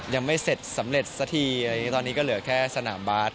ยังไม่เสร็จสำเร็จสักทีตอนนี้ก็เหลือแค่สนามบาส